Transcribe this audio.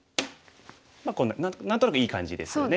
まあ何となくいい感じですよね。